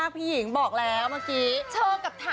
ขอบคุณนะครับ